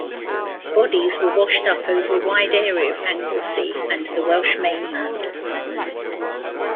Bodies were washed up over a wide area of Anglesey and the Welsh mainland.